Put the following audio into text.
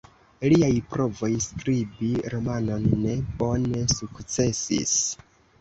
Liaj provoj skribi romanon ne bone sukcesis.